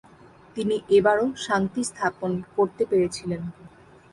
তিনি এবারও শান্তি স্থাপন করতে পেরেছিলেন।